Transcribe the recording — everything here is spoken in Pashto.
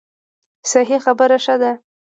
صحیح خبره ښه ده.